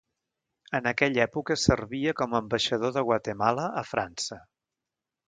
En aquella època servia com a ambaixador de Guatemala a França.